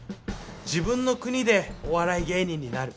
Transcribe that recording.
自分の国でお笑い芸人になる。